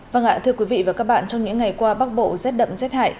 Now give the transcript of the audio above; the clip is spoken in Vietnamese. vâng ạ thưa quý vị và các bạn trong những ngày qua bắc bộ rét đậm rét hại